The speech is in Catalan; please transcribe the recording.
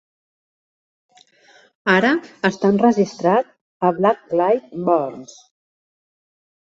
Ara està enregistrat a Black Light Burns.